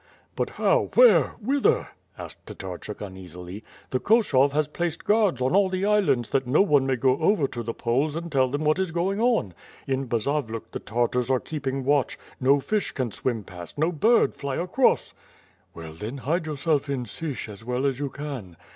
"But how, where, whither?" asked Tatarchuk uneasily. "The Koshov has placed guards on all the islands that no one may go over to tlie Poles and tell them what is going on." In Bazavluk the Tartars are keeping watch; no fish can swim past; no hird fly across." "Well then, hide yourself in Sich as well as you can."